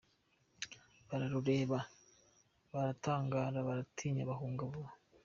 Bararureba baratangara, Baratinya bahunga vuba.